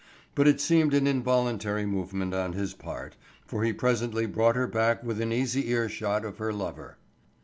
But it seemed an involuntary movement on his part, for he presently brought her back within easy earshot of her lover.